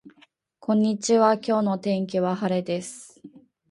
こんにちは今日の天気は晴れです